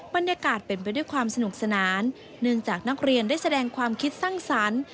บรรยากาศเป็นไปด้วยความสนุกสนานเนื่องจากนักเรียนได้แสดงความคิดสร้างสรรค์